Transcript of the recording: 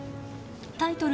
タイトル